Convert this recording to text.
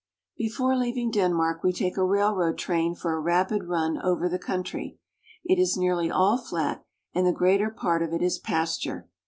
Before leaving Denmark, we take a railroad train for a rapid run over the country. It is nearly all flat and the greater part of it is pasture.